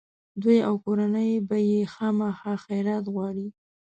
دوی او کورنۍ به یې خامخا خیرات غواړي.